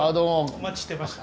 お待ちしてました。